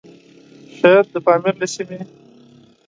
شايد د پامير له سيمې؛